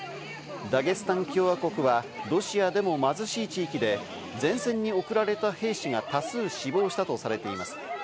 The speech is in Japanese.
タゲスタン共和国はロシアでも貧しい地域で、前線に送られた兵士が多数死亡したとされています。